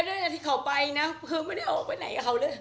ไม่เคยแล้วด้วยที่เขาไปนะคือไม่ได้ออกไปไหนกับเขาเลย